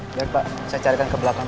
baik pak saya carikan ke belakang